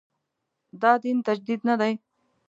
دا دین تجدید نه دی.